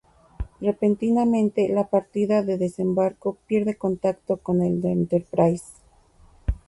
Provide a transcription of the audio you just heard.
Repentinamente la partida de desembarco pierde contacto con el "Enterprise".